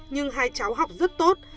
nhưng hai cháu học rất tốt